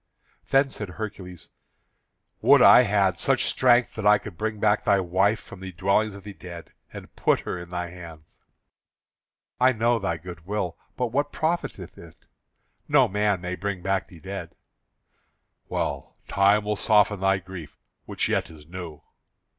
Then said Hercules: "Would I had such strength that I could bring back thy wife from the dwellings of the dead, and put her in thy hands." "I know thy good will, but what profiteth it? No man may bring back the dead." "Well, time will soften thy grief, which yet is new."